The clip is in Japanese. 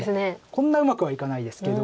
こんなうまくはいかないですけど。